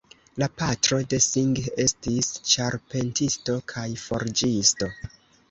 La patro de Singh estis ĉarpentisto kaj forĝisto.